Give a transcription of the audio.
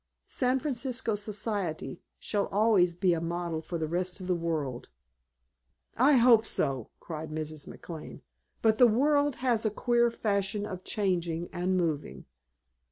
San Francisco Society shall always be a model for the rest of the world." "I hope so!" cried Mrs. McLane. "But the world has a queer fashion of changing and moving."